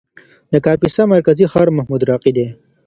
د کاپیسا مرکزي ښار محمودراقي دی.